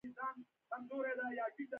په اوسني وخت کې ډیپلوماسي نوي تعریفونه لري